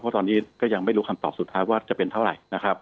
เพราะตอนนี้ก็ยังไม่รู้คำตอบสุดท้ายว่าจะเป็นเท่าไหร่นะครับ